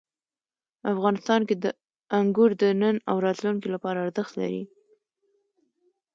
افغانستان کې انګور د نن او راتلونکي لپاره ارزښت لري.